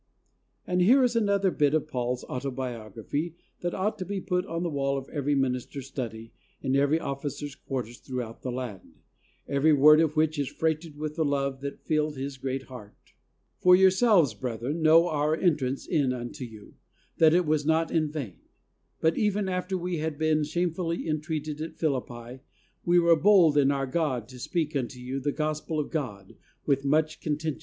And here is another bit of Paul's auto biography that ought to be put on the wall of every minister's study and every officer's quarters throughout the land, every word of which is freighted with the love that filled his great heart: "For yourselves, brethren, know our entrance in unto you, that it was not in vain ; but even after we had been shamefully entreated at Philippi we were bold in our God to speak unto you the Gospel of God with much contention.